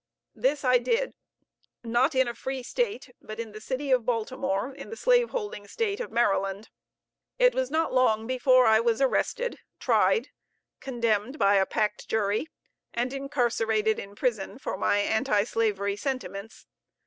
This I did, not in a free State, but in the city of Baltimore, in the slave holding State of Maryland. It was not long before I was arrested, tried, condemned by a packed jury, and incarcerated in prison for my anti slavery sentiments.